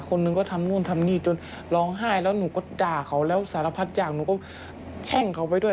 คนหนึ่งก็ทำนู่นทำนี่จนร้องไห้แล้วหนูก็ด่าเขาแล้วสารพัดจากหนูก็แช่งเขาไปด้วย